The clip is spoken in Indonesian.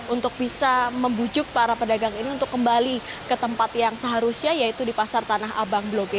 untuk bisa membujuk para pedagang ini untuk kembali ke tempat yang seharusnya yaitu di pasar tanah abang bloge